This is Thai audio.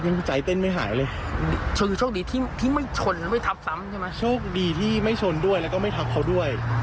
ใจเต้นไม่หายเลยชนคือโชคดีที่ไม่ชนไม่ทับซ้ำใช่ไหมโชคดีที่ไม่ชนด้วยแล้วก็ไม่ทับเขาด้วย